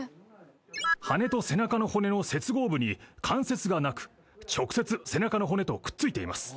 羽と背中の骨の接合部に関節がなく直接背中の骨とくっついています